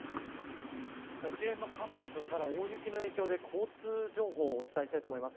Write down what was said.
一連の寒波それから大雪の影響で交通情報をお伝えしたいと思います。